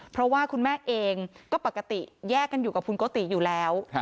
เพราะว่าคุณแม่เองก็ปกติแยกกันอยู่กับคุณโกติอยู่แล้ว